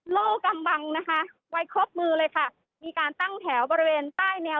โลกกำบังนะคะไว้ครบมือเลยค่ะมีการตั้งแถวบริเวณใต้แนว